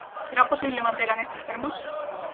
Será posible mantela nestes termos?